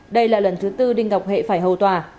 đây là lần thứ tư đinh ngọc hệ phải hầu tòa